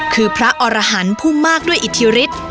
คือพระอรหันต์ผู้มากด้วยอิทธิฤทธิ์